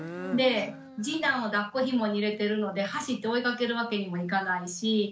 で次男をだっこひもに入れてるので走って追いかけるわけにもいかないし。